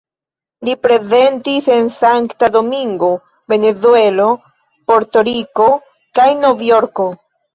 Li prezentis en Sankta Domingo, Venezuelo, Porto-Riko kaj Novjorko.